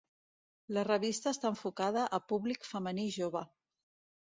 La revista està enfocada a públic femení jove.